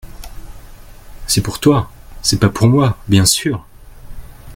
C’est pour toi, c’est pas pour moi, bien sûr !